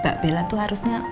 mbak belah tuh harusnya